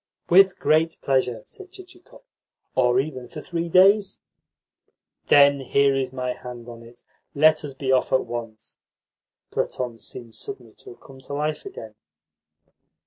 "With great pleasure," said Chichikov. "Or even for three days." "Then here is my hand on it. Let us be off at once." Platon seemed suddenly to have come to life again.